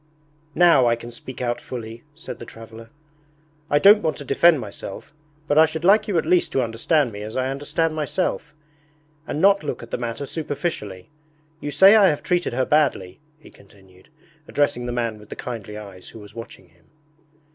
'Now I can speak out fully,' said the traveller. 'I don't want to defend myself, but I should like you at least to understand me as I understand myself, and not look at the matter superficially. You say I have treated her badly,' he continued, addressing the man with the kindly eyes who was watching him.